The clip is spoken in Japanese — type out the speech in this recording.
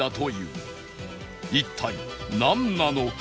一体なんなのか？